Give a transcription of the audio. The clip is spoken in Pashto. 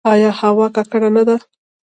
آیا هوا ککړه نه ده؟